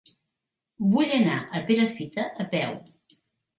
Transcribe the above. Vull anar a Perafita a peu.